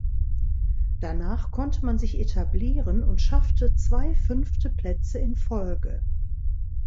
Danach konnte man sich etablieren und schaffte zwei fünfte Plätze in Folge.